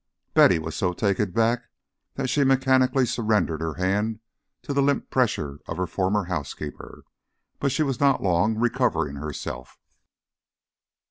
Betty was so taken aback that she mechanically surrendered her hand to the limp pressure of her former housekeeper. But she was not long recovering herself.